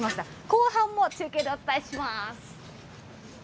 後半も中継でお伝えします。